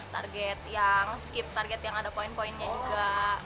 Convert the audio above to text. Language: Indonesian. target yang skip target yang ada poin poinnya juga